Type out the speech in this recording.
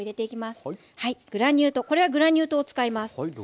これはグラニュー糖を使います。